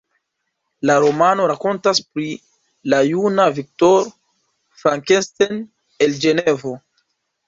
La romano rakontas pri la juna Victor Frankenstein el Ĝenevo.